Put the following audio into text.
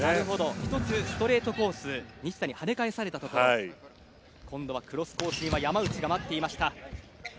１つ、ストレートコースはじき返されたところ今度はクロスコースには山内が待っていました。